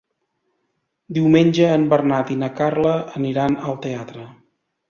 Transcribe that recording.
Diumenge en Bernat i na Carla aniran al teatre.